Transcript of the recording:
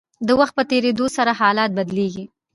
د وخت په تیریدو سره حالات بدلیږي.